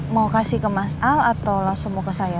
mau kasih ke mas al atau langsung mau ke saya